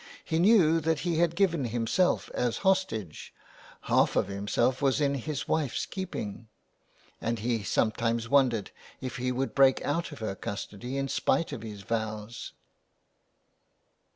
He knew that he had given himself as hostage — half of himself was in his wife's keeping — and he some times wondered if he would break out of her custody in spite of his vows.